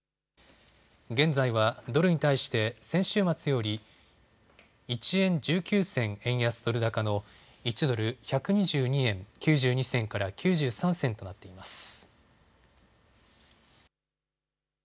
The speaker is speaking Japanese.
現在はドルに対して先週末より１円１９銭円安ドル高の１ドル１２２円９２銭から９３銭となっています。